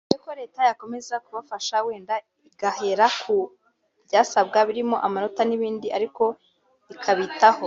bikwiye ko leta yakomeza kubafasha wenda igahera ku byasabwa birimo amanota n’ibindi ariko ikabitaho